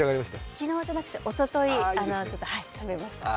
昨日じゃなくておととい食べました。